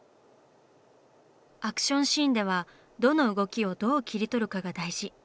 アクションシーンではどの動きをどう切り取るかが大事。